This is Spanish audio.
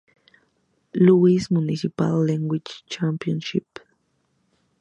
Louis Municipal League championship.